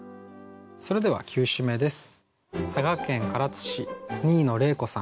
それでは９首目です。